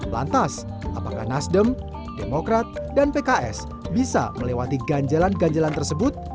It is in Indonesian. lantas apakah nasdem demokrat dan pks bisa melewati ganjalan ganjalan tersebut